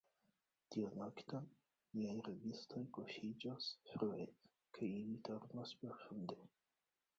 Tiun nokton, niaj rabistoj kuŝiĝos frue, kaj ili dormos profunde.